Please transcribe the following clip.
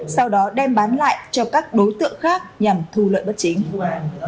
sau đó đem bán lại cho các đối tượng khác nhằm thu lợi bất chính